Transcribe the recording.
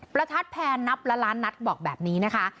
ประทัดแพนนับละล้านนัดบอกแบบนี้นะคะ